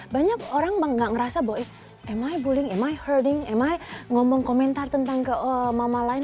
biasanya orang enggak ngerasa bahwa eh am i bullying am i hurting am i ngomong komentar tentang ke mama lain